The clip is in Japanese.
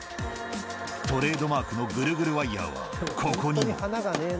トレードマークのグルグルワイヤーはここにも。